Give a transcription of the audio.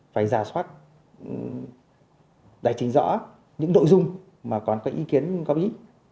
phải rà soát giải trình rõ những nội dung mà còn có ý kiến góp ý